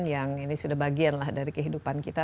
yang ini sudah bagian lah dari kehidupan kita